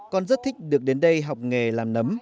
con rất thích được đến đây học nghề làm nấm